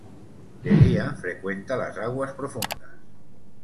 De día frecuenta las aguas profundas.